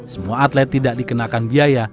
semua atlet tidak dikenakan biaya